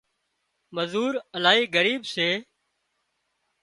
مزور الاهي ڳريٻ سي